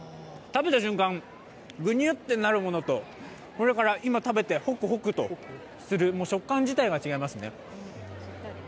食べた瞬間、ぐにゅっとなるものと、今食べて、ホクホクとする、食感自体が違いますね。